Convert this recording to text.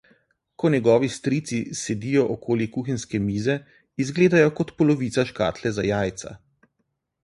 Ko njegovi strici sedijo okoli kuhinjske mize, izgledajo kot polovica škatle za jajca.